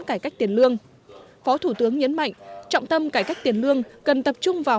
cải cách tiền lương phó thủ tướng nhấn mạnh trọng tâm cải cách tiền lương cần tập trung vào